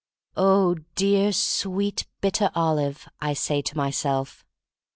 "Oh, dear, sweet, bitter olivel" I say to myself.